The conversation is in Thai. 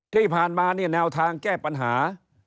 ที่ผ่านมาเนี่ยแนวทางแก้ปัญหา